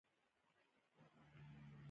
بوتل د کمپاین لپاره تخنیکي وسیله ده.